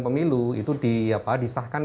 pemilu itu disahkan